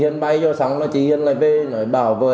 khiến nảy sinh nhiều mâu thuẫn phản ánh tại tỉnh hà tĩnh